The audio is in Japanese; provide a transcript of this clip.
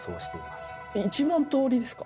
１万とおりですか？